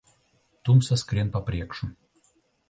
Tumsa skrien pa priekšu.